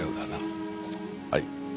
はい。